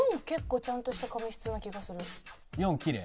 ４結構ちゃんとした髪質な気がする。